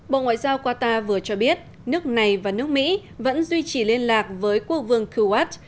bộ ngoại giao qatar vừa cho biết nước này và nước mỹ vẫn duy trì liên lạc với quốc vương kuwatch